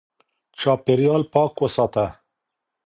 چاپېريال پاک وساته